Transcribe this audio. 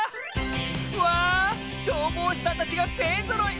わ消防士さんたちがせいぞろい！